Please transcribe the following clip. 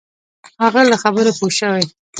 هغه له خبرو پوه شوی.